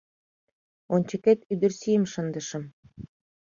— Ончыкет ӱдырсийым шындышым.